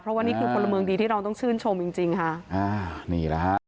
เพราะว่านี่คือคนละเมืองดีที่เราต้องชื่นชมจริงค่ะ